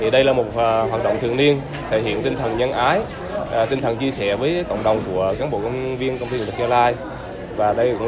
đây là một hoạt động thường niên thể hiện tinh thần nhân ái tinh thần chia sẻ với cộng đồng của cán bộ công nhân viên công ty điện lực gia lai